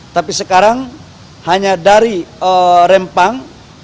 tapi sekarang hanya dari rempang